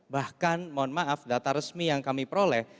bahkan mohon maaf data resmi yang kami peroleh